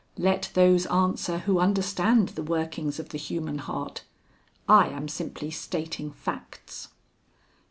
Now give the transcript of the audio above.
Let those answer who understand the workings of the human heart. I am simply stating facts.